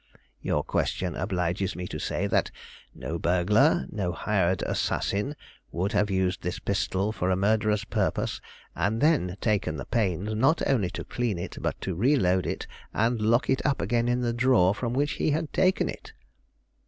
Your question obliges me to say that no burglar, no hired assassin, would have used this pistol for a murderous purpose, and then taken the pains, not only to clean it, but to reload it, and lock it up again in the drawer from which he had taken it."